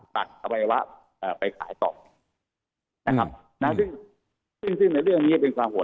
ตัดอวัยวะไปขายต่อนะครับนะซึ่งซึ่งในเรื่องนี้เป็นความห่วง